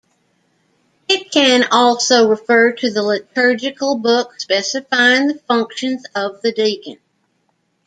It can also refer to the liturgical book specifying the functions of the deacon.